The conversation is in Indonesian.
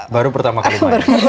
baru pertama kalimannya